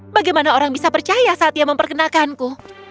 bagaimana orang bisa percaya saat ia memperkenalkanku